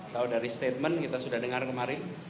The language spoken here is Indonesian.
kalau dari statement kita sudah dengar kemarin